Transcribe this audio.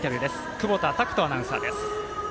久保田拓人アナウンサーです。